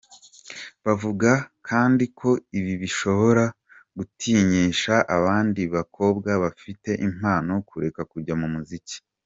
Bavuga kandi ko ibi bishobora gutinyisha abandi bakobwa bafite impano kureka kujya mu muziki.